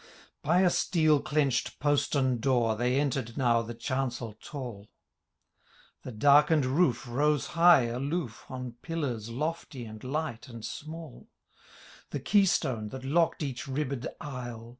By a steel clenched postern door, They enter'd now the chaneel tall ; Phe darkenM roof rose high aloof On pillars lolly and light and small : The key stone, that locked each ribbed ^le.